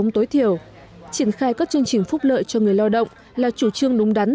tối thiểu triển khai các chương trình phúc lợi cho người lao động là chủ trương đúng đắn